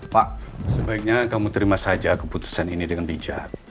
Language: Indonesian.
pak sebaiknya kamu terima saja keputusan ini dengan bijak